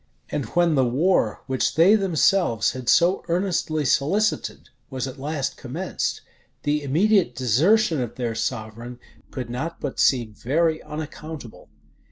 And when the war which they themselves had so earnestly solicited, was at last commenced, the immediate desertion of their sovereign could not but seem very unaccountable.